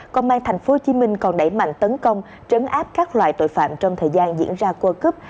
công an tp hcm còn đẩy mạnh tấn công trấn áp các loại tội phạm trong thời gian diễn ra qua cướp